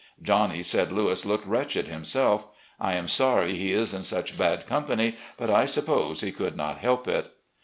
Johnny said Louis looked wretched himself. I am sorry he is in such bad company, but I suppose he could not help it."